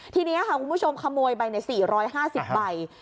ทีนี้ค่ะคุณผู้ชมขโมยไปใน๔๕๐ใบ